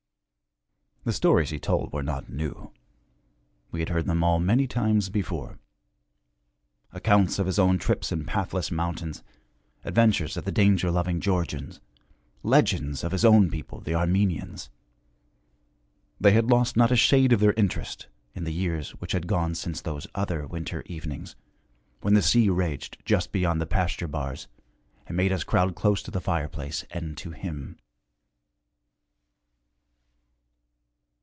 The stories he told were not new; we had heard them all many times before. Accounts of his own trips in pathless mountains, adventures of the danger loving Georgians, legends of his own people, the Armenians they had lost not a shade of their interest in the years which had gone since those other winter evenings, when the sea raged just beyond the pasture bars and made us crowd close to the fireplace and to him.